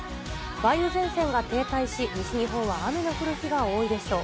梅雨前線が停滞し、西日本は雨の降る日が多いでしょう。